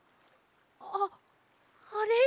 あっあれ？